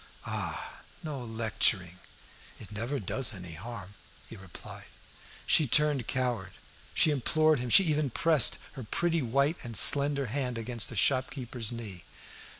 "Ah! no lecturing." "It never does any harm," he replied. She turned coward; she implored him; she even pressed her pretty white and slender hand against the shopkeeper's knee.